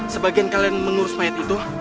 sebagian kalian mengurus mayat itu